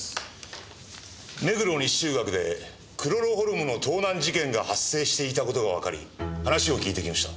目黒西中学でクロロホルムの盗難事件が発生していた事がわかり話を聞いてきました。